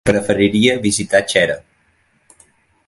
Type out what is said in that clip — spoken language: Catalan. Preferiria visitar Xera.